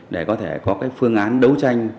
để có thể có cái phương án đấu tranh